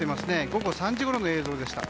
午後３時ごろの映像でした。